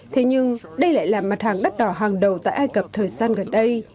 thế nhưng đây lại là mặt hàng đắt đỏ hàng đầu tại ai cập thời gian gần đây